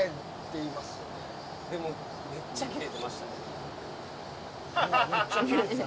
でも、めっちゃキレてましたよ。